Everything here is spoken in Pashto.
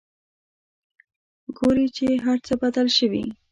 ګوري چې هرڅه بدل شوي.